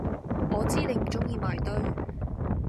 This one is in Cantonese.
我知你唔中意埋堆！